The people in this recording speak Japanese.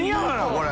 これ。